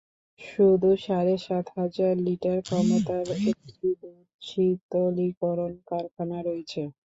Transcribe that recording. শুধু সাড়ে সাত হাজার লিটার ক্ষমতার একটি দুধ শীতলীকরণ কারখানা রয়েছে।